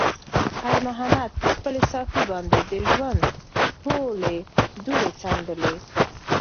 خیر محمد په خپلې صافې باندې د ژوند ټولې دوړې څنډلې.